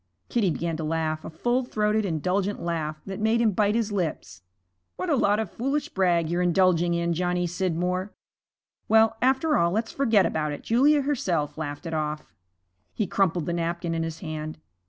Kitty began to laugh, a full throated, indulgent laugh, that made him bite his lips. 'What a lot of foolish brag you're indulging in, Johnny Scidmore. Well, after all, let's forget about it; Julia herself laughed it off.' He crumpled the napkin in his hand.